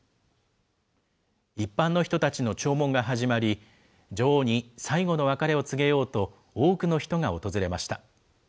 一般の人たちの弔問が始まり、女王に最後の別れを告げようと、多くの人が訪れました。